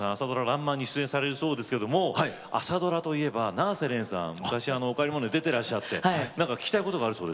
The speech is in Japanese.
「らんまん」に出演されるそうですけども朝ドラといえば永瀬廉さん「おかえりモネ」出てらっしゃって聞きたいことがあるそうですね。